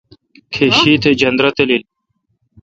کیش شیی تھ جندر تالیل۔